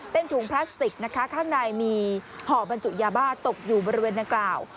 เป็นถุงพลาสติกนะคะข้างในมีห่อบรรจุยาบ้าตกอยู่บริเวณดังกล่าว